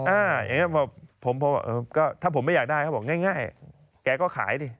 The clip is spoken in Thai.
อย่างนี้ก็ถ้าผมไม่อยากได้เขาบอกง่ายแกก็ขายดิ